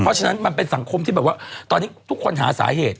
เพราะฉะนั้นมันเป็นสังคมที่แบบว่าตอนนี้ทุกคนหาสาเหตุ